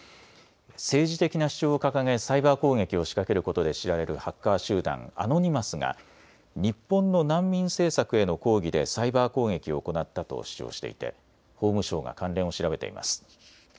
政治的な主張を掲げサイバー攻撃を仕掛けることで知られるハッカー集団アノニマスが日本の難民政策への抗議でサイバー攻撃を行ったと主張していて法務省が関連を調べています。